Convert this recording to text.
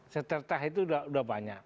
secercah itu sudah banyak